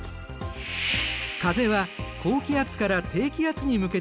風は高気圧から低気圧に向けて吹くよね。